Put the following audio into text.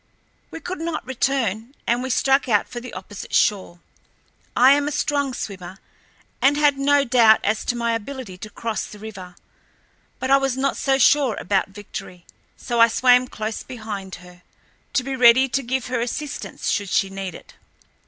We could not return, and we struck out for the opposite shore. I am a strong swimmer, and had no doubt as to my ability to cross the river, but I was not so sure about Victory, so I swam close behind her, to be ready to give her assistance should she need it.